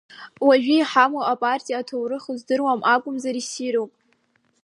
Уажәы иҳаму апартиа, аҭоурых уздыруам акәымзар, иссируп.